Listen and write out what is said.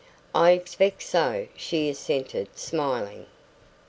"I expect so," she assented, smiling.